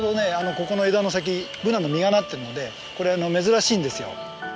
ここの枝の先ブナの実がなってるのでこれ珍しいんですよ。